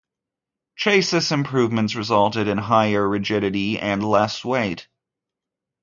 Chassis improvements resulted in higher rigidity and less weight.